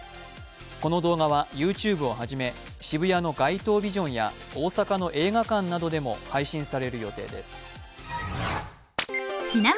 この動画は、ＹｏｕＴｕｂｅをはじめ渋谷の街頭ビジョンや大阪の映画館などでも配信される予定です。